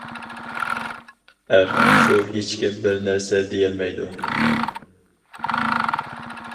ئەر: شۇ ھېچكىم بىر نەرسە دېيەلمەيدۇ.